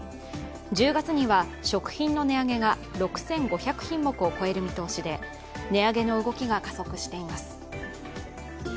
１０月には食品の値上げが６５００品目を超える見通しで値上げの動きが加速しています。